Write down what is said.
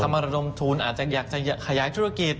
มาระดมทุนอาจจะอยากจะขยายธุรกิจ